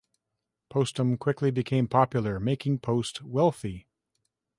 Postum quickly became popular, making Post wealthy.